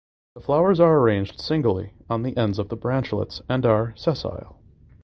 The flowers are arranged singly on the ends of the branchlets and are sessile.